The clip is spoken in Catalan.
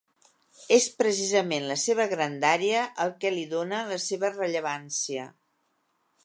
És precisament la seva grandària el que li dóna la seva rellevància.